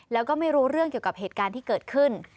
แล้วก็ไม่รู้เรื่องเกี่ยวกับเหตุการณ์ที่เกิดขึ้น